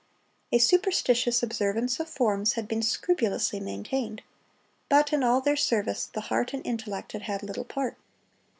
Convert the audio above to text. A superstitious observance of forms had been scrupulously maintained; but in all their service the heart and intellect had had little part.